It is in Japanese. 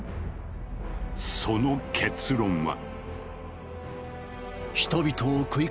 その結論は。